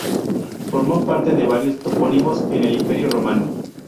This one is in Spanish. Formó parte de varios topónimos en el Imperio romano.